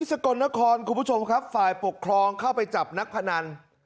สกลนครคุณผู้ชมครับฝ่ายปกครองเข้าไปจับนักพนัน